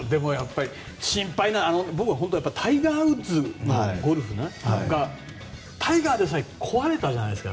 僕はタイガー・ウッズのゴルフがタイガーでさえ壊れたじゃないですか。